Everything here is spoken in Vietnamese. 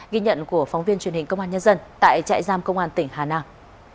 ghi nhận của phóng viên truyền hình công an nhân dân tại trại giam công an tỉnh hà nam